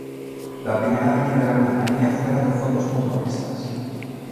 La primera línea de la compañía fue la de fondos mutualistas.